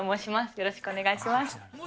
よろしくお願いします。